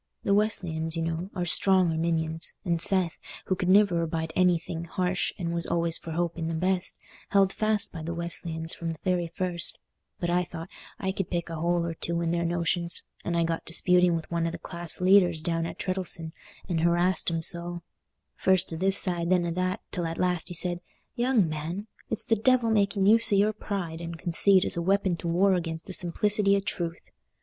The Wesleyans, you know, are strong Arminians; and Seth, who could never abide anything harsh and was always for hoping the best, held fast by the Wesleyans from the very first; but I thought I could pick a hole or two in their notions, and I got disputing wi' one o' the class leaders down at Treddles'on, and harassed him so, first o' this side and then o' that, till at last he said, 'Young man, it's the devil making use o' your pride and conceit as a weapon to war against the simplicity o' the truth.